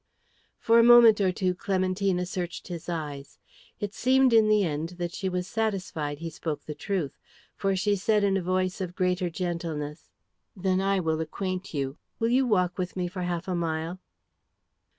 For a moment or two Clementina searched his eyes. It seemed in the end that she was satisfied he spoke the truth. For she said in a voice of greater gentleness, "Then I will acquaint you. Will you walk with me for half a mile?"